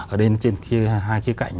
ở đây trên hai khía cạnh